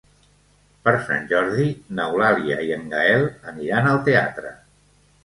Per Sant Jordi n'Eulàlia i en Gaël aniran al teatre.